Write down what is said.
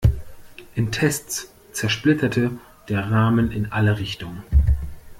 In Tests zersplitterte der Rahmen in alle Richtungen.